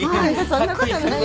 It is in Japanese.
そんなこと。